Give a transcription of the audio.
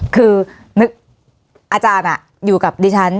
คือนึกอาจารย์อยู่กับดิฉัน